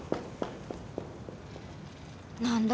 何だ？